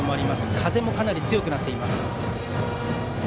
風もかなり強くなっています。